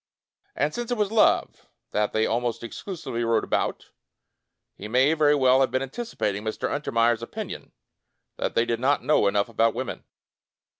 And since it was love that they almost exclusively wrote about, he may very well have been anticipat ing Mr. Untermeyer*s opinion that they did not know enough about women.